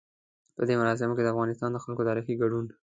په دې مراسمو کې د افغانستان د خلکو تاريخي ګډون.